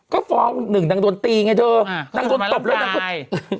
ก็ฟ้องหนึ่งนางโดรนตีไงเถอะเช้าสมัยเริ่มตาย